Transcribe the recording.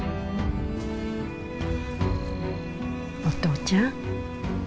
お父ちゃん。